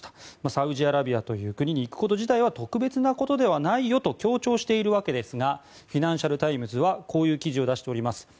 サウジアラビアという国に行くこと自体は特別なことではないよと強調しているわけですがフィナンシャル・タイムズはこういう記事を出しています。